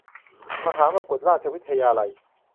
มหามกุฏราชวิทยาลัย